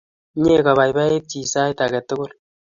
Mye kopaipait chi sait ake tukul